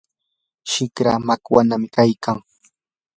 shikra makwanami kaykan.